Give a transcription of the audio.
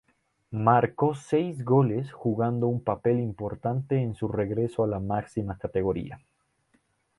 Marcó seis goles, jugando un papel importante en su regreso a la máxima categoría.